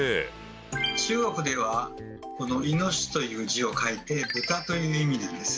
中国ではこの「猪」という字を書いて「豚」という意味なんです。